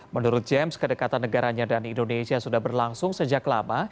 menurut james kedekatan negaranya dan indonesia sudah berlangsung sejak lama